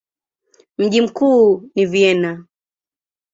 Mji mkuu ni Vienna.